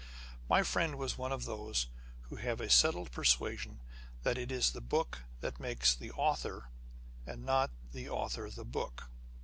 My friend was one of those who have a settled persuasion that it is the book that makes the author, and not the author the book.